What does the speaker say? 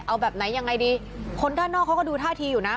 เอาแบบไหนยังไงดีคนด้านนอกเขาก็ดูท่าทีอยู่นะ